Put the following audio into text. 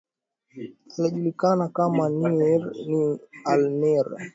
aliyejulikana kama Nimr al Nimr